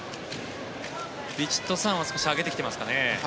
ヴィチットサーンは少し上げてきてますかね。